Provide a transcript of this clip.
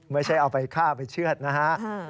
ไม่ใช่เอาไปฆ่าไปเชื่อดนะฮะ